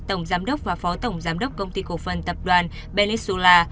tổng giám đốc và phó tổng giám đốc công ty cổ phần tập đoàn belesula